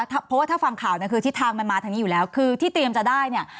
เพราะว่าถ้าฟังข่าวเนี่ยคือทิศทางมันมาทางนี้อยู่แล้วคือที่เตรียมจะได้เนี่ย